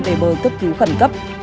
về bờ cấp cứu khẩn cấp